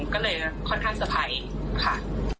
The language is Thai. ก็เลยค่อนข้างเศรษฐ์ภัยค่ะ